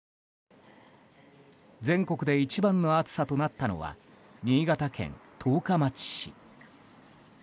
全国で一番の暑さとなったのは新潟県十日町市。